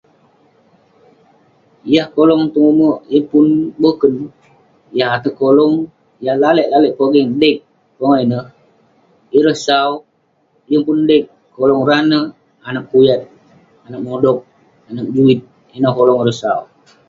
Yah kolong tong ume yeng pun boken. Yah ateg kolong yah lalek pogeng deg. Pongah ineh ireh sau, yeng pun deg. Kolong rah neh anag kuyat, anag modog, anag juit. Kolong ireh sau.